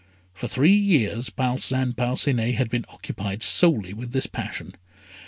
For three years Parcin Parcinet had been occupied solely with this passion.